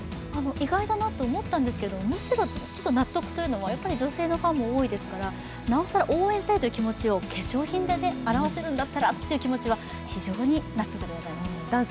意外だなと思ったんですけどむしろ納得というのは女性のファンも多いですから、なおさら応援したいという気持ちを化粧品で表せるんだったらという気持ちは非常に納得でございます。